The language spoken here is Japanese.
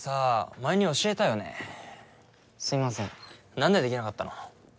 何でできなかったの？